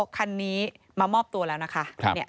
คันนี้มามอบตัวแล้วนะคะ